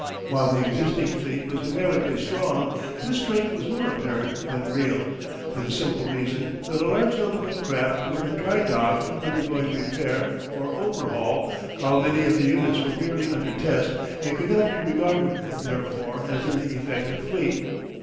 While the existing fleet was numerically strong, this strength was more apparent than real, for the simple reason that a large number of craft were in dry dock undergoing repair or overhaul while many of the units were merely under test and could not be regarded therefore as in the effective fleet.